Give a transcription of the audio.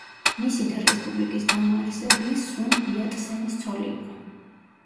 მისი და რესპუბლიკის დამაარსებლის, სუნ იატსენის ცოლი იყო.